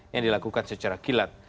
yang dilakukan secara kilat